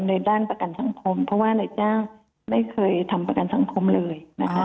ในด้านประกันสังคมเพราะว่านายจ้างไม่เคยทำประกันสังคมเลยนะคะ